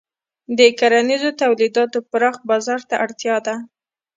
د کرنیزو تولیداتو پراخ بازار ته اړتیا ده.